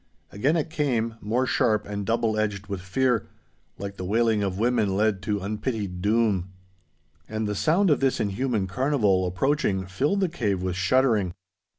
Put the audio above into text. Again it came, more sharp and double edged with fear, like the wailing of women led to unpitied doom. And the sound of this inhuman carnival, approaching, filled the cave with shuddering.